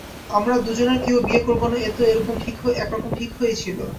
আমরা দুজনের কেউ বিয়ে করব না এ তো একরকম ঠিক হয়েই ছিল।